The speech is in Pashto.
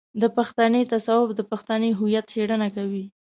د پښتني تصوف د پښتني هويت څېړنه کوي.